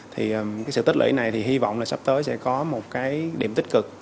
thì cái sự tích lũy này thì hy vọng là sắp tới sẽ có một cái điểm tích cực